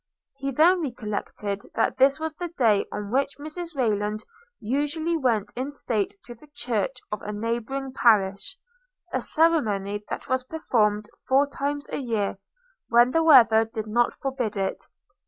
He then recollected, that this was the day on which Mrs Rayland usually went in state to the church of a neighboring parish; a ceremony that was performed four times a year, when the weather did not forbid it.